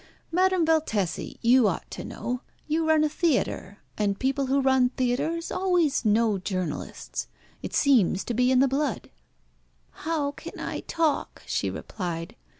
"Madame Valtesi, you ought to know; you run a theatre, and people who run theatres always know journalists. It seems to be in the blood." "How can I talk?" she replied.